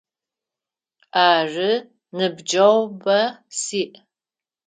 Ары, ныбджэгъубэ сиӏ.